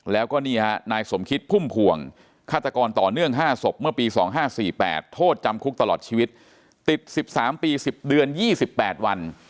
แล้วก็นี่ฮะนายสมคิดพุ่มพวงฆาตกรต่อเนื่อง๕ศพเมื่อปี๒๕๔๘โทษจำคุกตลอดชีวิตติด๑๓ปี๑๐เดือน๒๘วัน